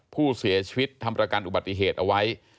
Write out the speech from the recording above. ผู้เสียชีวิตทำประกันอุบัติเหตุเอาไว้